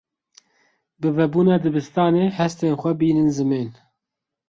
Bi vebûna dibistanê, hestên xwe bînin zimên.